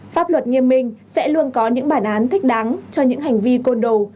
pháp luật nghiêm minh sẽ luôn có những bản án thích đáng cho những hành vi côn đồ